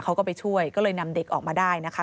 เขาก็ไปช่วยก็เลยนำเด็กออกมาได้นะคะ